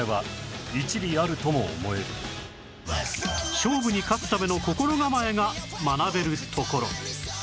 勝負に勝つための心構えが学べるところ